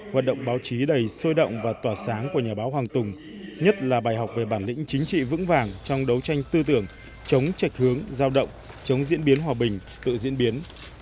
hoạt động báo chí đầy sôi động và tỏa sáng của nhà báo hoàng tùng nhất là bài học về bản lĩnh chính trị vững vàng trong đấu tranh tư tưởng chống chạch hướng giao động chống diễn biến hòa bình tự diễn biến